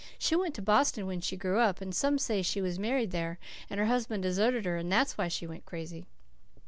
"She went to Boston when she grew up, and some say she was married there and her husband deserted her, and that's why she went crazy.